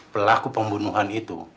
pelaku pembunuhan itu